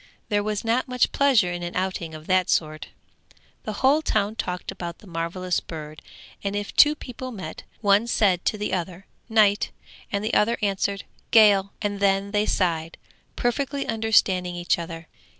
There was not much pleasure in an outing of that sort. The whole town talked about the marvellous bird, and if two people met, one said to the other 'Night,' and the other answered 'Gale,' and then they sighed, perfectly understanding each other.